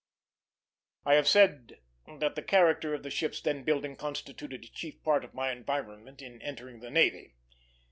I have said that the character of the ships then building constituted a chief part of my environment in entering the navy.